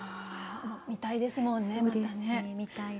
見たいですもんねまたね。